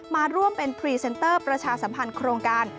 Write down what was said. มาร่วมเป็นพรีเซนเตอร์ประชาสัมพันธ์โครงการ